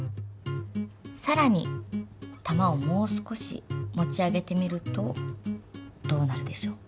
更に玉をもう少し持ち上げてみるとどうなるでしょう？